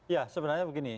ya sebenarnya begini